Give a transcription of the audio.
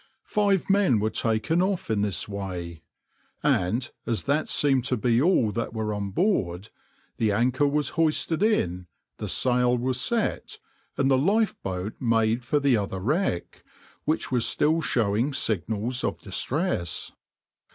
Five men were taken off in this way, and as that seemed to be all that were on board, the anchor was hoisted in, the sail was set, and the lifeboat made for the other wreck, which was still showing signals of distress.